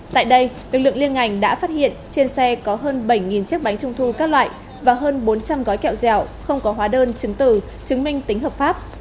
tại đây lực lượng liên ngành đã phát hiện trên xe có hơn bảy chiếc bánh trung thu các loại và hơn bốn trăm linh gói kẹo dẻo không có hóa đơn chứng tử chứng minh tính hợp pháp